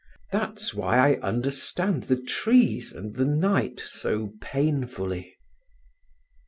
That's why I understand the trees and the night so painfully."